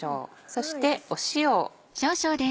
そして塩。